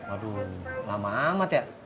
aduh lama amat ya